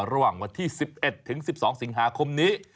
ระหว่างวันที่๑๑ถึง๑๒สิงหาคมนี้